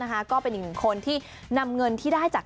ก็เป็นอีกหนึ่งคนที่นำเงินที่ได้จาก